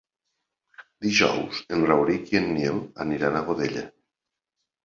Dijous en Rauric i en Nil aniran a Godella.